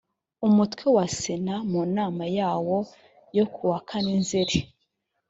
umutwe wa sena mu nama yawo yo kuwa kane nzeri